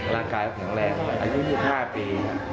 ร่างกายแข็งแรงอายุ๑๕ปี